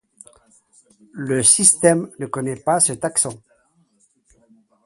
Le système ne connait pas ce taxon.